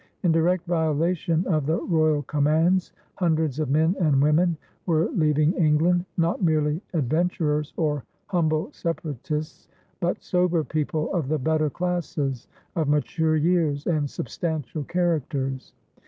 In direct violation of the royal commands, hundreds of men and women were leaving England not merely adventurers or humble Separatists, but sober people of the better classes, of mature years and substantial characters.